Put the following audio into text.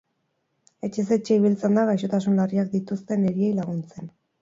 Etxez-etxe ibiltzen da gaixotasun larriak dituzten eriei laguntzen.